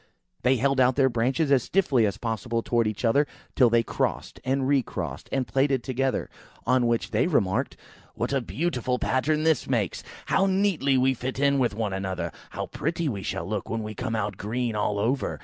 they held out their branches as stiffly as possible towards each other, till they crossed, and recrossed, and plaited together, On which they remarked–"What a beautiful pattern this makes! How neatly we fit in one with the other! How pretty we shall look when we come out green all over!